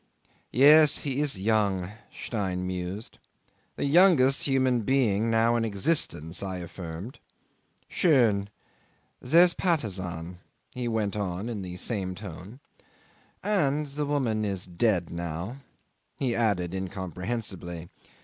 "Yes; he is young," Stein mused. "The youngest human being now in existence," I affirmed. "Schon. There's Patusan," he went on in the same tone. ... "And the woman is dead now," he added incomprehensibly.